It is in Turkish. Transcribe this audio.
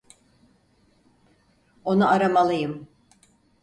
Onu aramalıyım.